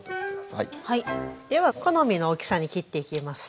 では好みの大きさに切っていきます。